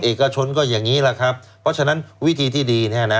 เอกชนก็อย่างนี้แหละครับเพราะฉะนั้นวิธีที่ดีเนี่ยนะ